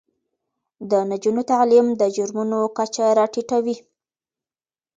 د نجونو تعلیم د جرمونو کچه راټیټوي.